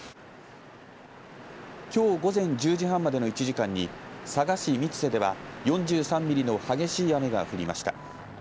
きょう午前１０時半までの１時間に佐賀市三瀬では４３ミリの激しい雨が降りました。